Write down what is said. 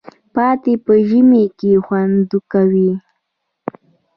پاتې په ژمي کی خوندکوی